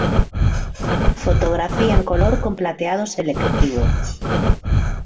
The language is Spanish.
Fotografía en color con plateado selectivo.